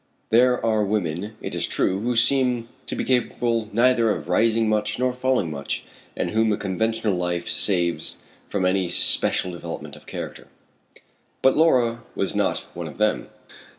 There are women, it is true, who seem to be capable neither of rising much nor of falling much, and whom a conventional life saves from any special development of character. But Laura was not one of them.